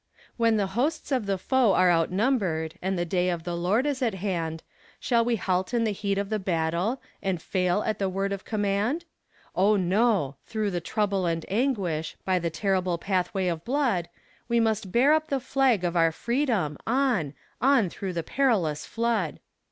When the hosts of the foe are outnumbered, and the day of the Lord is at hand, Shall we halt in the heat of the battle, and fail at the word of command? Oh, no! through the trouble and anguish, by the terrible pathway of blood, We must bear up the flag of our freedom, on on through the perilous flood.